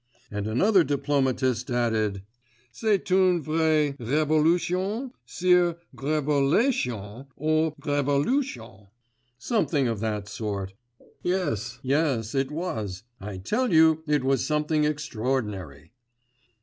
_' and another diplomatist added: 'C'est une vraie révolution, Sire révélation or révolution ... something of that sort. Yes, yes, it was. I tell you it was something extraordinary.